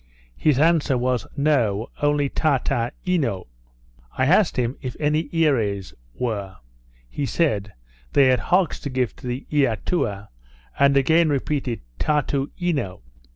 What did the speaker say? His answer was No, only Taata eno. I asked him if any Earees were? He said, they had hogs to give to the Eatua, and again repeated Taatu eno.